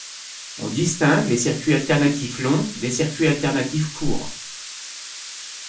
On distingue les circuits alternatifs longs des circuits alternatifs courts.